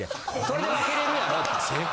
それで分けれるやろ。